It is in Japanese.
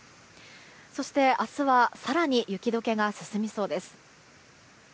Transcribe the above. そして明日は更に雪解けが進みそうです。